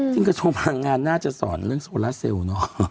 ซิงเกอร์โทรมางางานน่าจะสอนเรื่องโซลาเซลล์น่ะ